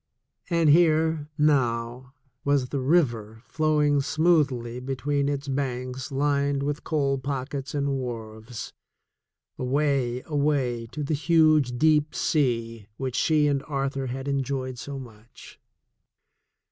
And here, now, was the river flowing smoothly between its banks lined with coal pockets and wharves — away, away to the huge deep sea which she and Arthur had enjoyed so much.